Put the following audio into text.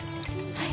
はい。